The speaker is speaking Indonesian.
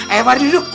ayo pak duduk